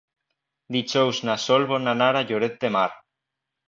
Dijous na Sol vol anar a Lloret de Mar.